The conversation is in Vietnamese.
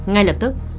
ngay lập tức